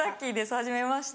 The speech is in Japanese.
はじめまして。